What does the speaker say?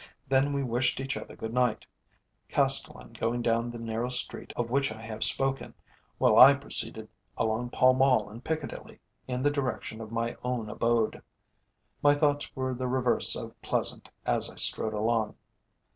Then we wished each other good night, Castellan going down the narrow street of which I have spoken, while I proceeded along Pall Mall and Piccadilly in the direction of my own abode. My thoughts were the reverse of pleasant as I strode along.